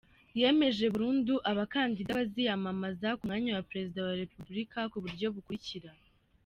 Yemeje burundu Abakandida baziyamaza ku mwanya wa Perezida wa Repubulika ku buryo bukurikira: